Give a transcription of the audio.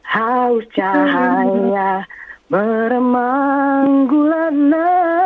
haus cahaya meremang gulana